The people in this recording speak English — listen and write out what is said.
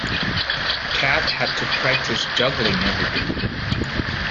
Cat had to practise juggling every day.